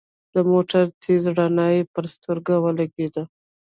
د موټر تېزه رڼا يې پر سترګو ولګېده.